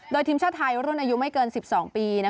โดยทีมชาติไทยรุ่นอายุไม่เกิน๑๒ปี